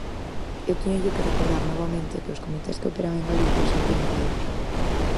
Eu téñolle que recordar novamente que os comités que operan en Galicia son coñecidos.